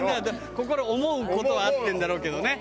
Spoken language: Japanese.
心思う事はあってるんだろうけどね。